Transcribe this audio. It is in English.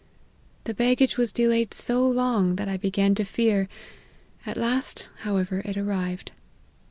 The baggage was delayed so long, that I began to fear ; at last, how ever, it arrived.